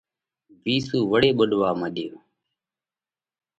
وِيسُو وۯي ٻُوڏوا مڏيو۔